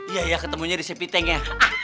iya ya ketemunya di sepi teng ya